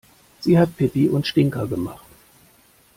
Sie hat Pipi und Stinker gemacht.